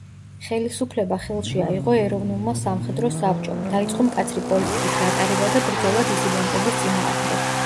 ხელისუფლება ხელში აიღო „ეროვნულმა სამხედრო საბჭომ“ დაიწყო მკაცრი პოლიტიკის გატარება და ბრძოლა დისიდენტების წინააღმდეგ.